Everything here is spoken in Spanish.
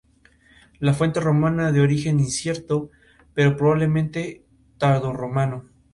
CinemaScore informó que el público dio una calificación "A" media.